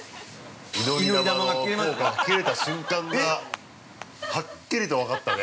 祈り玉の効果が切れた瞬間がはっきりと分かったね。